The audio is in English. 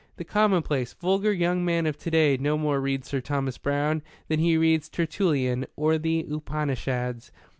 The commonplace, vulgar young man of to day no more reads Sir Thomas Browne than he reads Tertullian or the Upanishads."